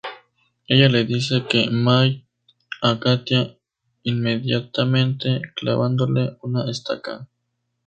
Ella le dice que mate a Katia inmediatamente clavándole una estaca.